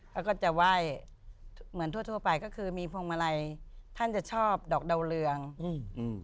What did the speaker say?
เขาก็จะไหว้เหมือนทั่วทั่วไปก็คือมีพวงมาลัยท่านจะชอบดอกดาวเรืองอืมอืม